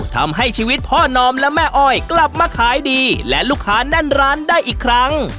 ทำให้ชีวิตพ่อนอมและแม่อ้อยกลับมาขายดีและลูกค้าแน่นร้านได้อีกครั้ง